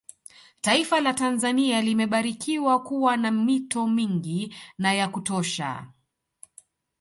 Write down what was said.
Taifa la Tanzania limebarikiwa kuwa na mito mingi na ya kutosha